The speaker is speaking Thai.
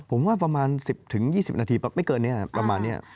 ผมว่าประมาณ๑๐๒๐นาทีประมาณนี้